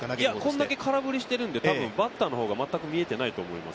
こんだけ空振りしてるんで多分バッターの方が見えてないんだと思います。